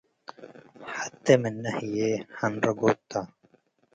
ሐቴ ምነ ህዬ ሐንረጎት ተ ።